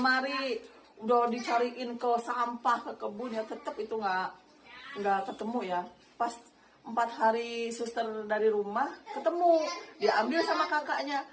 e sembilan puluh enam diketukah enggak ketemu ya pas empat hari susten dari rumah ketemu diambil sama kakaknya